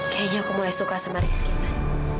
kayaknya aku mulai suka sama rizky